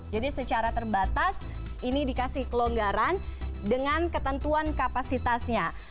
jadi secara terbatas ini dikasih pelonggaran dengan ketentuan kapasitasnya